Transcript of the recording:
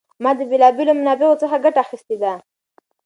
ما د بېلا بېلو منابعو څخه ګټه اخیستې ده.